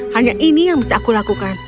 hanya ini yang bisa aku lakukan